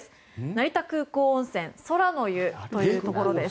成田空港温泉空の湯というところです。